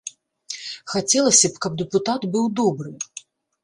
Хацелася б, каб дэпутат быў добры.